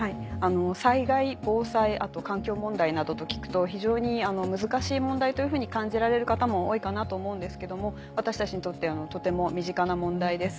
災害防災環境問題などと聞くと非常に難しい問題というふうに感じられる方も多いかなと思うんですけども私たちにとってとても身近な問題です。